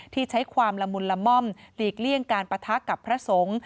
ที่ใช้ความละมุนละม่อมหลีกเลี่ยงการปะทะกับพระสงฆ์